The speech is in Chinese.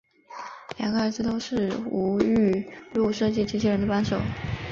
两个儿子都是吴玉禄设计机器人的帮手。